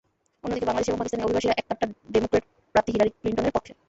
অন্যদিকে বাংলাদেশি এবং পাকিস্তানি অভিবাসীরা এককাট্টা ডেমোক্র্যাট প্রার্থী হিলারি ক্লিনটনের পক্ষে।